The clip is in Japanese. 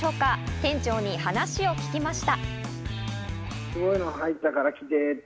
店長に話を聞きました。